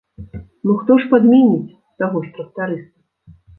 Ну хто ж падменіць таго ж трактарыста?